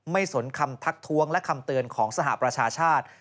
สนคำทักท้วงและคำเตือนของสหประชาชาติ